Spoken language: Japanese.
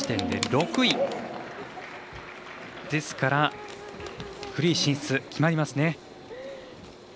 ですから、フリー進出決まりますね。